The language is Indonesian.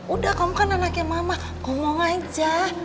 udah kamu kan anaknya mama ngomong aja